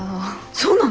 そうなの！？